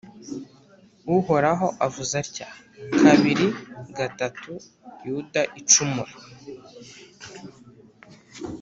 Uhoraho avuze atya:Kabiri gatatu Yuda icumura!